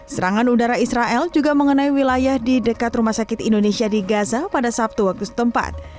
serangan udara israel juga mengenai wilayah di dekat rumah sakit indonesia di gaza pada sabtu waktu setempat